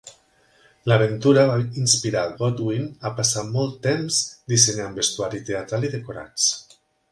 L'aventura va inspirar Godwin a passar molt temps dissenyant vestuari teatral i decorats.